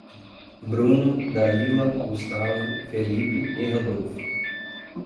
Bruno, Dalila, Gustavo, Felipe e Rodolfo